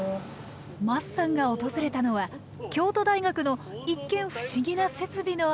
桝さんが訪れたのは京都大学の一見ふしぎな設備のある研究室。